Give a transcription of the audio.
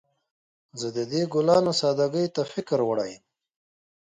زه د دې ګلانو سادګۍ ته فکر وړی یم